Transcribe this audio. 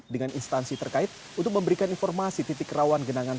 dengan instansi terkait untuk memberikan informasi titik rawan genangan